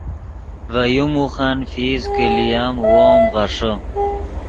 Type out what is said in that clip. ڤے یو موخن فیس کہ لییم وو ام غیݰے